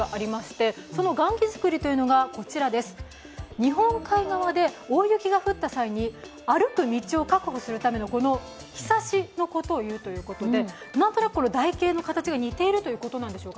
日本海側で大雪が降った際に歩く道を確保するためのこのひさしのことを言うということで何となく台形の形が似ているということなんでしょうか？